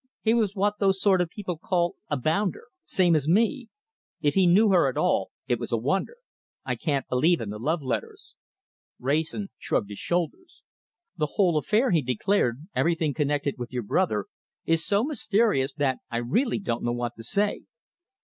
He was what those sort of people call a bounder. Same as me! If he knew her at all it was a wonder. I can't believe in the love letters." Wrayson shrugged his shoulders. "The whole affair," he declared, "everything connected with your brother, is so mysterious that I really don't know what to say."